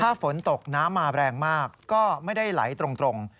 ถ้าฝนตกน้ำมาแรงมากก็ไม่ได้ไหลตรง